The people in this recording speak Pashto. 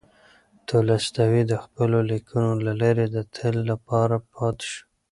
تولستوی د خپلو لیکنو له لارې د تل لپاره پاتې شو.